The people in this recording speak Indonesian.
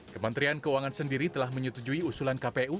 kementerian keuangan sendiri telah menyetujui usulan kpu